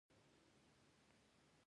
ایا چاغوالی ناروغي ده؟